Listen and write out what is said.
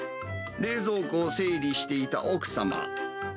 冷蔵庫を整理していた奥様。